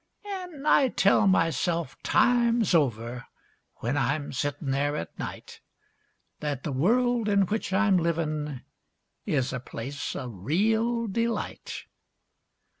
An' I tell myself times over, when I'm sittin' there at night, That the world in which I'm livin' is a place o' real delight.